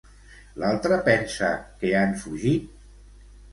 L'altre pensa que han fugit?